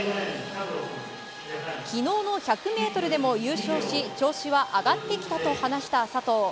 昨日の１００ｍでも優勝し調子は上がってきたと話した佐藤。